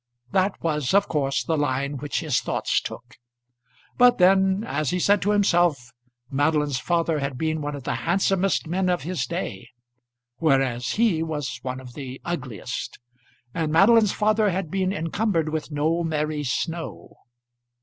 That was of course the line which his thoughts took. But then, as he said to himself, Madeline's father had been one of the handsomest men of his day, whereas he was one of the ugliest; and Madeline's father had been encumbered with no Mary Snow.